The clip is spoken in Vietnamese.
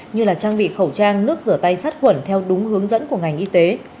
như trang bị khẩu trang nước rửa tay sát khuẩn theo đúng hướng dẫn của ngành y tế